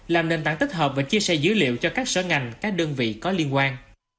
làm nền tảng tích hợp và chia sẻ dữ liệu cho các sở ngành các đơn vị có liên quan